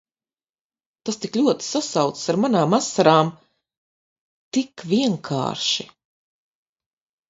Tas tik ļoti sasaucas ar manām asarām. Tik vienkārši!